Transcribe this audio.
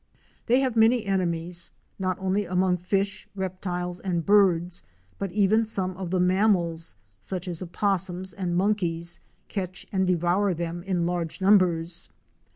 They have many enemies, not only among fish, reptiles, and birds, but even some of the mammals, such as opossums and monkeys, catch and devour them in large numbers.